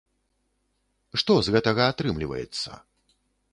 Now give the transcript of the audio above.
Што з гэтага атрымліваецца?